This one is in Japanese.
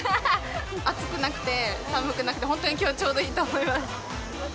暑くなくて、寒くなくて、本当にきょうはちょうどいいと思います。